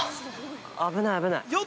危ない危ない。